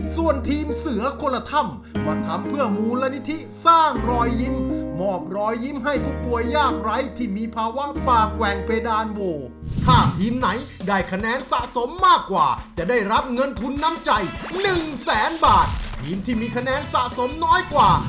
ซึ่งทีมสามหนุ่มสามซ่ามาทำเพื่อโรงเรียนบ้านเด็กรามอินทรา